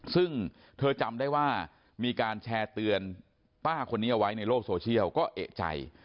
ซึ่งเธอจำได้ว่ามีการแชร์เตือนป้าคนนี้เอาไว้ในโลกโซเชียลก็เอกใจ